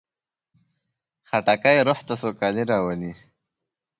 خټکی روح ته سوکالي راولي.